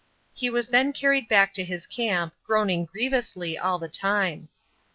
He was then carried back to his camp, groaning grievously all the time.